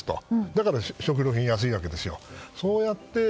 だから食料品が安いわけですよ。